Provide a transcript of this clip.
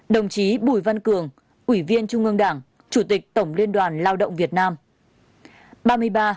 ba mươi hai đồng chí bùi văn cường ủy viên trung ương đảng chủ tịch tổng liên đoàn lao động việt nam